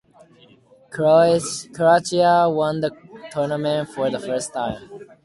Croatia won the tournament for the first time.